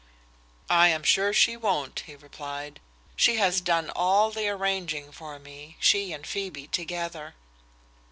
"I am sure she won't," he replied. "She has done all the arranging for me she and Phoebe together."